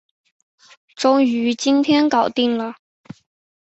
终于今天搞定了